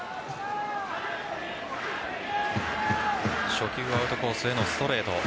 初球アウトコースへのストレート。